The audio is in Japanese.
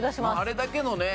あれだけのね